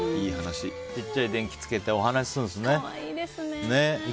ちっちゃい電気つけてお話しするんですね。